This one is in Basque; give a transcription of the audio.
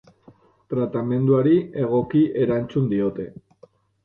Tratamenduari egoki erantzun diote.